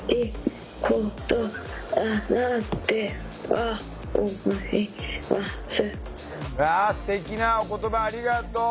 わあすてきなお言葉ありがとう。